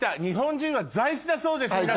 日本人は座椅子だそうです